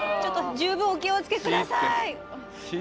十分、お気をつけください。